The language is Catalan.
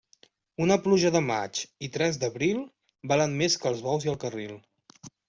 Una pluja de maig i tres d'abril valen més que els bous i el carril.